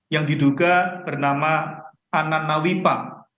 yang diduga bernama ananawipa